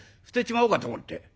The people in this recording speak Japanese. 捨てちまおうかと思って」。